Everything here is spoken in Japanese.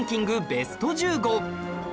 ベスト１５